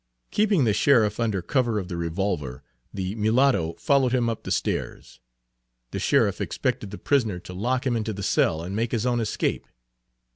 Keeping the sheriff under cover of the revolver, the mulatto followed him up the stairs. The sheriff expected the prisoner to lock him into the cell and make his own escape.